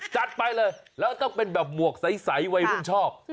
จัดไปเลยแล้วต้องเป็นแบบหมวกใสวัยรุ่นชอบ